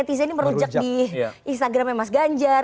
instagramnya mas ganjar